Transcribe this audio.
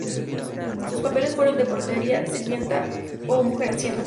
Sus papeles fueron de portera, sirvienta o mujer anciana.